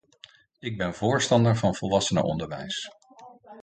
Ik ben voorstander van volwassenenonderwijs.